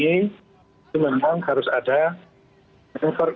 memang harus ada